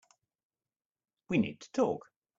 We need to talk.